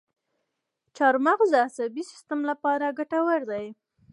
چارمغز د عصبي سیستم لپاره ګټور دی.